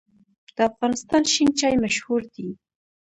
د افغانستان شین چای مشهور دی